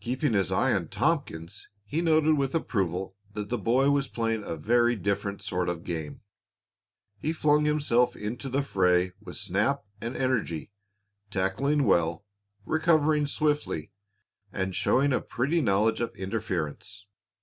Keeping his eye on Tompkins, he noted with approval that the boy was playing a very different sort of game. He flung himself into the fray with snap and energy, tackling well, recovering swiftly, and showing a pretty knowledge of interference.